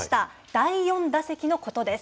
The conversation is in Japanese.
第４打席の事です。